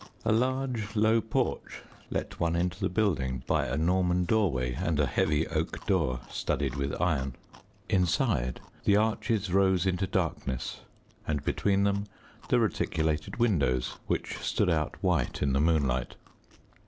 A large, low porch let one into the building by a Norman doorway and a heavy oak door studded with iron. Inside, the arches rose into darkness, and between them the reticulated windows, which stood out white in the moonlight.